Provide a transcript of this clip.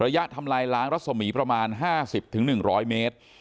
ทำลายล้างรัศมีประมาณ๕๐๑๐๐เมตร